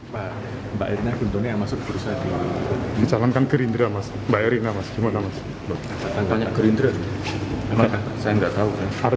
pak mbak erina guntone yang masuk ke bursa d